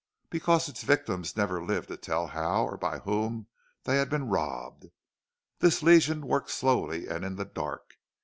Because its victims never lived to tell how or by whom they had been robbed! This Legion worked slowly and in the dark.